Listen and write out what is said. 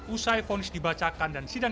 usai fonis dibacakan dan sidang